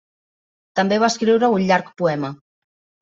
També va escriure un llarg poema.